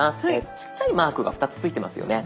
ちっちゃいマークが２つついてますよね。